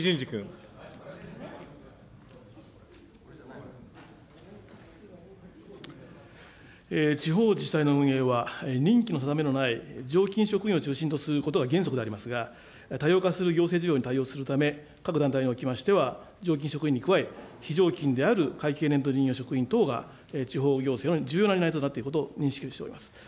それでは、総務大臣、鈴木淳司君。地方自治体の運営は、人気の定めのない常勤職員を中心とすることが原則でありますが、多様化する行政事業に対応するため、各団体におきましては、常勤職員に加え、非常勤である職員等が地方行政の重要な担い手になっていることを認識をしております。